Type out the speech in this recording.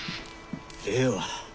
ええわ。